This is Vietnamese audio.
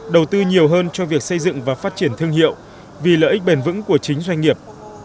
đầu tư nhiều hơn cho việc xây dựng và phát triển thương hiệu vì lợi ích bền vững của chính doanh nghiệp